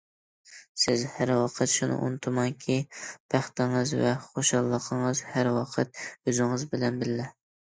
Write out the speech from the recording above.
سىز ھەر ۋاقىت شۇنى ئۇنتۇماڭكى، بەختىڭىز ۋە خۇشاللىقىڭىز ھەر ۋاقىت ئۆزىڭىز بىلەن بىللە.